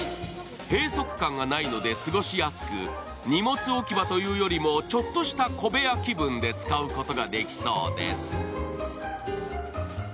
閉塞感がないので、過ごしやすく荷物置き場というよりもちょっとした小部屋気分で使うことができそうです。